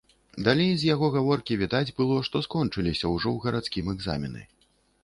Далей з яго гаворкі відаць было, што скончыліся ўжо ў гарадскім экзамены.